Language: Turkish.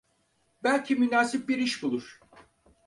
Belki münasip bir iş bulur.